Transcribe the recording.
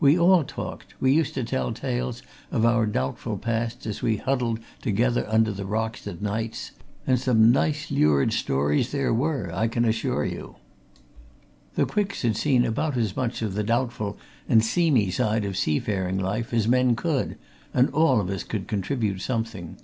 We all talked we used to tell tales of our doubtful pasts as we huddled together under the rocks at nights, and some nice, lurid stores there were, I can assure you. The Quicks had seen about as much of the doubtful and seamy side of seafaring life as men could, and all of us could contribute something.